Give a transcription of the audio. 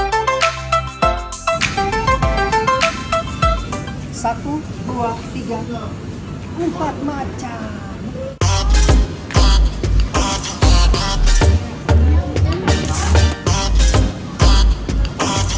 seratus dapat apa aja disini